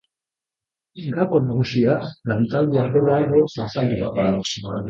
Gako nagusia, lantaldea dela ere azaldu digu.